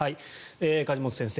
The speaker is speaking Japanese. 梶本先生